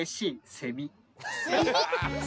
セミ？